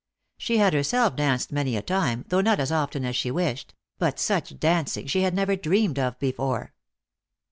She had herself danced many a time, though not as often as she wished ; but such dancing she had never dreamed of before.